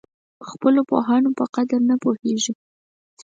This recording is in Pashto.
خپلو پوهانو په قدر نه پوهېږي.